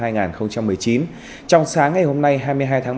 trong sáng ngày hôm nay hai mươi hai tháng ba